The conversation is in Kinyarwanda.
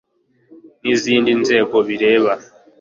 n izindi nzego bireba